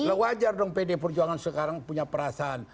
ya wajar dong pdi perjuangan sekarang punya perasaan